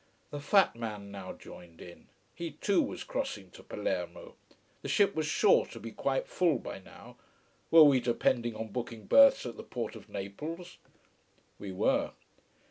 The fat man now joined in. He too was crossing to Palermo. The ship was sure to be quite full by now. Were we depending on booking berths at the port of Naples? We were.